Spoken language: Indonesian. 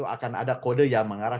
akan ada kode yang mengarah